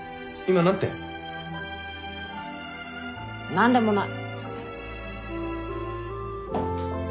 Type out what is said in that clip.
何でもない。